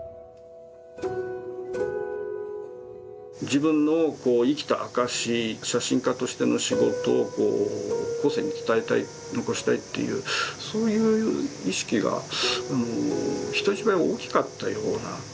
自分の生きた証し写真家としての仕事を後世に伝えたい残したいっていうそういう意識が人一倍大きかったような。